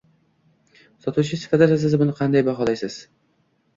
Sotuvchi sifatida siz buni qanday baholaysiz?